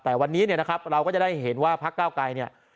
แต่วันนี้นะครับเราก็จะได้เห็นว่าภาคเก้าไกร